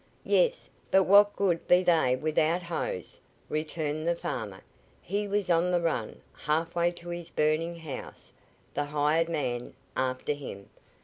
"Yes. But what good be they without hose?" returned the farmer. He was on the run, halfway to his burning house, the hired man after him.